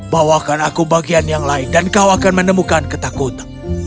bawakan aku bagian yang lain dan kau akan menemukan ketakutan